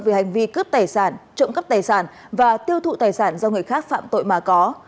về hành vi cướp tài sản trộm cắp tài sản và tiêu thụ tài sản do người khác phạm tội mà có